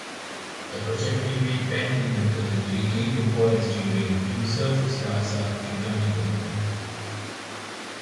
The project remained pending until it regained importance during Yousaf Raza Gillani govt.